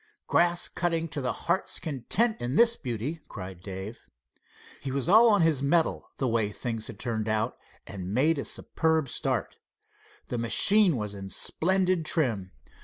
"Grass cutting to the heart's content in this beauty!" cried Dave. He was all on his mettle, the way things had turned out, and made a superb start. The machine was in splendid trim.